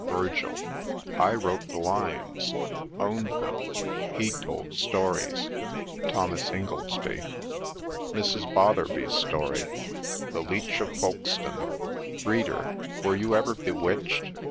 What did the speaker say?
— VIRGIL. I wrote the lines —... owned them — he told stories 1 THOMAS INGOLDSBY. MRS. BOTHERBY'S STORY THE LEECH OF FOLKESTONE READER, were you ever bewitched